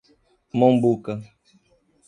Mombuca